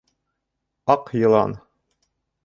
- Аҡ йылан.